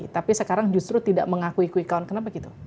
tapi sekarang justru tidak mengakui quick count kenapa gitu